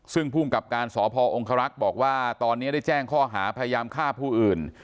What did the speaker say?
ซึ่งภูมิกับการสพองครักษ์บอกว่าตอนนี้ได้แจ้งข้อหาพยายามฆ่าผู้อื่น